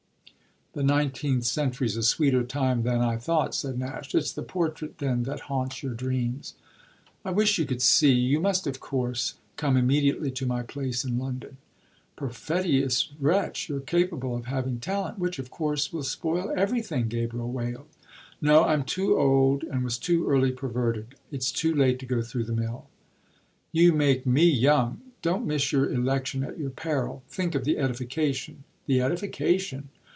'" "The nineteenth century's a sweeter time than I thought," said Nash. "It's the portrait then that haunts your dreams?" "I wish you could see. You must of course come immediately to my place in London." "Perfidious wretch, you're capable of having talent which of course will spoil everything!" Gabriel wailed. "No, I'm too old and was too early perverted. It's too late to go through the mill." "You make me young! Don't miss your election at your peril. Think of the edification." "The edification